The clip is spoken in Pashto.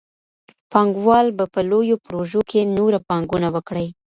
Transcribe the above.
پانګوال به په لويو پروژو کي نوره پانګونه وکړي.